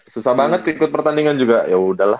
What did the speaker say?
susah banget ikut pertandingan juga yaudah lah